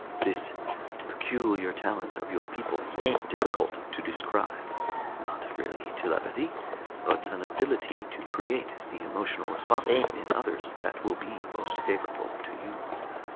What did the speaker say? This peculiar talent of your people is difficult to describe: not really telepathy, but an ability to create the emotional responses in others that will be most favorable to you.